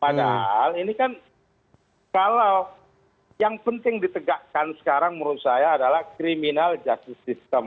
padahal ini kan kalau yang penting ditegakkan sekarang menurut saya adalah criminal justice system